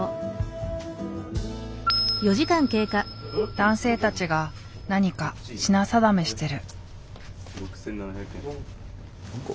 男性たちが何か品定めしてる。